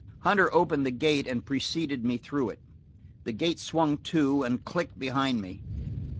Hunter opened the gate and preceded me through it. The gate swung to and clicked behind me.